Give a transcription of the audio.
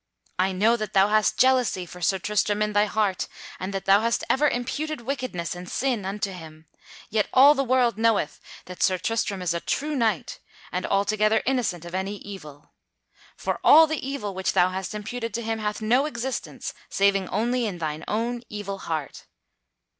I know that thou hast jealousy for Sir Tristram in thy heart and that thou hast ever imputed wickedness and sin unto him. Yet all the world knoweth that Sir Tristram is a true knight and altogether innocent of any evil. For all the evil which thou hast imputed to him hath no existence saving only in thine own evil heart.